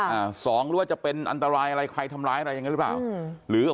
อ่าสองหรือว่าจะเป็นอันตรายอะไรใครทำร้ายอะไรอย่างนั้นหรือเปล่าอืมหรือ